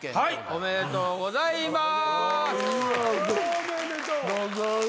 ありがとうございます。